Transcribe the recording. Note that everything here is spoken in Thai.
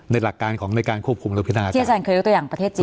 หลักการของในการควบคุมและพินาที่อาจารย์เคยยกตัวอย่างประเทศจีน